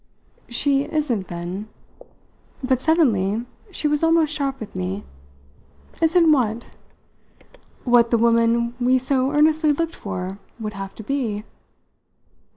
"She isn't then ?" But suddenly she was almost sharp with me. "Isn't what?" "What the woman we so earnestly looked for would have to be."